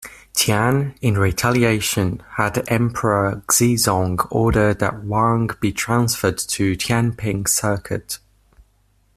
Tian, in retaliation, had Emperor Xizong order that Wang be transferred to Tianping Circuit.